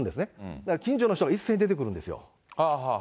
だから近所の人が一斉に出てくるんですよ。